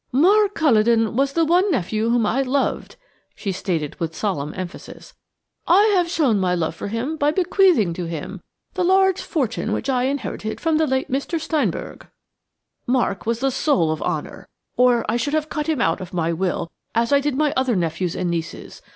"Mark Culledon was the one nephew whom I loved," she stated with solemn emphasis. "I have shown my love for him by bequeathing to him the large fortune which I inherited from the late Mr. Steinberg. Mark was the soul of honour, or I should have cut him out of my will as I did my other nephews and nieces.